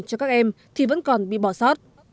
cho các em thì vẫn còn bị bỏ sót